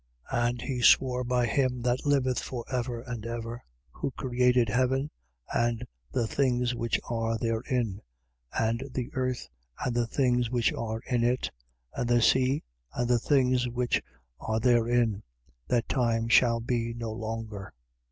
10:6. And he swore by him that liveth for ever and ever, who created heaven and the things which are therein, and the earth and the things which are in it, and the sea and the things which are therein: That time shall be no longer.